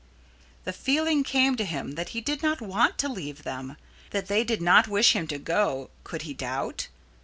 The feeling came to him that he did not want to leave them. That they did not wish him to go, could he doubt?